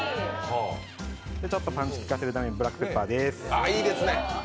ちょっとパンチ効かせるためにブラックペッパーです。